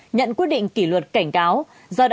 nhận quyết định kỷ luật cảnh cáo